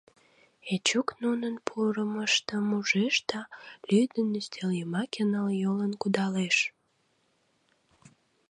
Эчук нунын пурымыштым ужеш да, лӱдын, ӱстел йымаке ныл йолын кудалеш.